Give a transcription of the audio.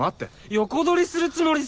横取りするつもりっすか？